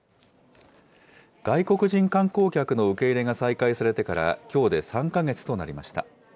外国人観光客の受け入れが再開されてから、きょうで３か月となりました。